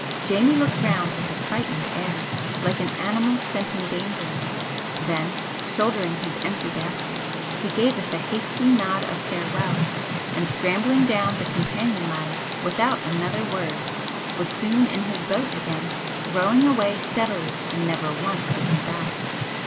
Jamie looked round with a frightened air, like an animal scenting danger, then, shouldering his empty basket, he gave us a hasty nod of farewell, and, scrambling down the companion ladder without another word, was soon in his boat again, rowing away steadily and never once looking back.